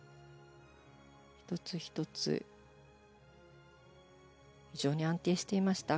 １つ１つ非常に安定していました。